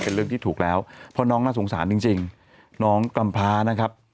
เป็นเรื่องที่ถูกแล้วเพราะน้องน่าสงสารจริงน้องกำพานะครับ